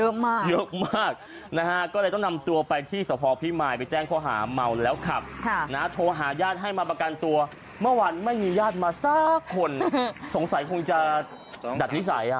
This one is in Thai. เยอะมากเยอะมากนะฮะก็เลยต้องนำตัวไปที่สภพิมายไปแจ้งข้อหาเมาแล้วขับนะโทรหาญาติให้มาประกันตัวเมื่อวันไม่มีญาติมาสักคนสงสัยคงจะดัดนิสัยฮะ